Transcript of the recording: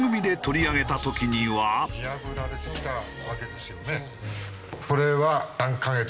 見破られてきたわけですよね。